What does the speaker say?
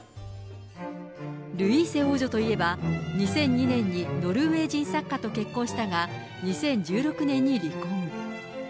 ルイーセ王女といえば、２００２年にノルウェー人作家と結婚したが、２０１６年に離婚。